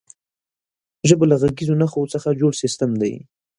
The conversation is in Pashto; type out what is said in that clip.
ژبه له غږیزو نښو څخه جوړ سیستم دی.